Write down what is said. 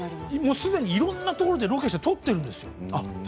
すでにいろんなところに行ってロケをしているんですよ。